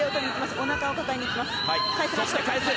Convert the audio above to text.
おなかを抱えにいきます。